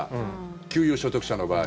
給与所得者の場合。